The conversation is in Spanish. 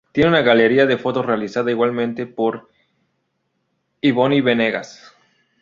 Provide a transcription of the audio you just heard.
Tiene una Galería de fotos realizada, igualmente, por Yvonne Venegas.